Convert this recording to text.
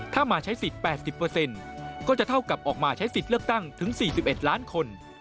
ถ้ามาใช้สิทธิ์๘๐ก็จะเท่ากับออกมาใช้สิทธิ์เลือกตั้งถึง๔๑ล้านคน